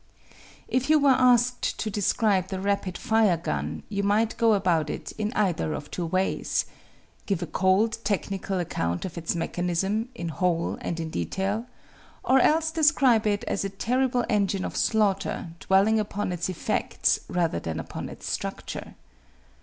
" If you were asked to describe the rapid fire gun you might go about it in either of two ways: give a cold technical account of its mechanism, in whole and in detail, or else describe it as a terrible engine of slaughter, dwelling upon its effects rather than upon its structure.